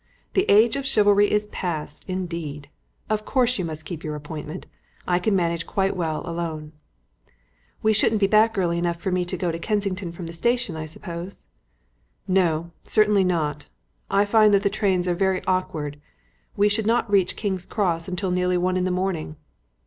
The age of chivalry is past, indeed. Of course you must keep your appointment; I can manage quite well alone." "We shouldn't be back early enough for me to go to Kensington from the station, I suppose?" "No; certainly not. I find that the trains are very awkward; we should not reach King's Cross until nearly one in the morning."